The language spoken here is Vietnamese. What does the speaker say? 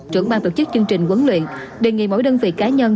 trưởng ban tổ chức chương trình quấn luyện đề nghị mỗi đơn vị cá nhân